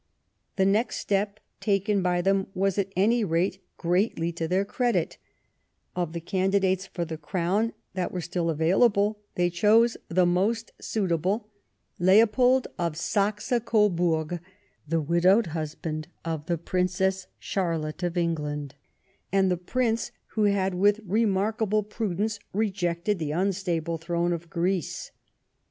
The next step taken by them was at any rate greatly to their credit; of the candidates for the crown that were still available they chose the most suitable, Leopold of Saxe Coburg, the widowed husband of the Princess Charlotte of England, and the Prince who had with remarkable prudence rejected the unstable throne of Greece.